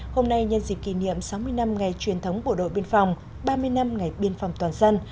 hôm nay nhân dịp kỷ niệm sáu mươi năm ngày truyền thống bộ đội biên phòng ba mươi năm ngày biên phòng toàn dân